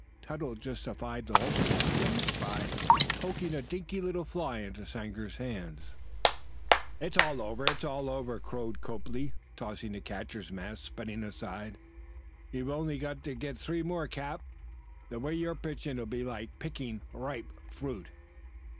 Tuttle justified the hopeless ones by popping a dinky little fly into Sanger's hands. "It's all off! It's all over!" crowed Copley, tossing the catching mask spinning aside. "You've only got to get three more, cap. The way you're pitching, it'll be like picking ripe fruit."